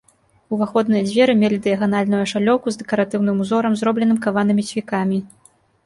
Уваходныя дзверы мелі дыяганальную ашалёўку з дэкаратыўным узорам, зробленым каванымі цвікамі.